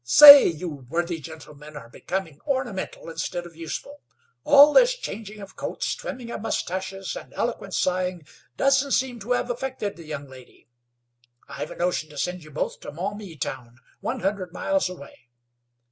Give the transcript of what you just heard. "Say, you worthy gentlemen are becoming ornamental instead of useful. All this changing of coats, trimming of mustaches, and eloquent sighing doesn't seem to have affected the young lady. I've a notion to send you both to Maumee town, one hundred miles away.